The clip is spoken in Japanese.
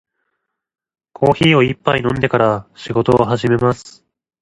コーヒーを一杯飲んでから仕事を始めます。